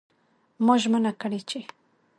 ما ژمنه کړې چې